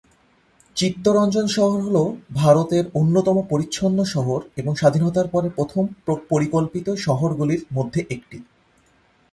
চিত্তরঞ্জন শহর হ'ল ভারতের অন্যতম পরিচ্ছন্ন শহর এবং স্বাধীনতার পরে প্রথম পরিকল্পিত শহরগুলির মধ্যে একটি।